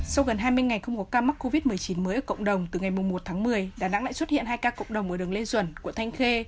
sau gần hai mươi ngày không có ca mắc covid một mươi chín mới ở cộng đồng từ ngày một tháng một mươi đà nẵng lại xuất hiện hai ca cộng đồng ở đường lê duẩn quận thanh khê